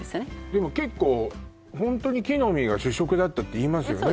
でも結構ホントに木の実が主食だったっていいますよね